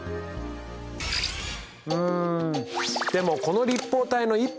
うん。